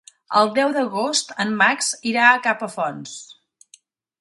El deu d'agost en Max irà a Capafonts.